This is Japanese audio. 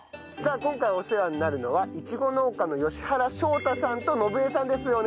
さあ今回お世話になるのはイチゴ農家の吉原翔太さんと信枝さんです。